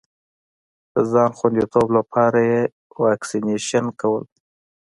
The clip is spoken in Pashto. د ځان خوندیتوب لپاره یې واکسېنېشن کول.